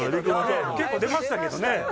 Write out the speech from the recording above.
結構出ましたけどね。